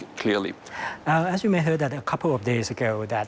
เมื่อหน่วยปีก่อนชีวิตเชียร์จัดแก่ดินสินคอนทรัพย์